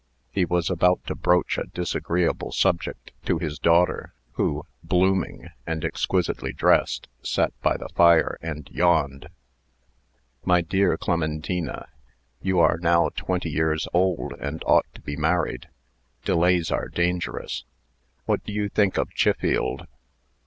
He was about to broach a disagreeable subject to his daughter, who, blooming, and exquisitely dressed, sat by the fire and yawned. "My dear Clementina, you are now twenty years old, and ought to be married. Delays are dangerous. What do you think of Chiffield?"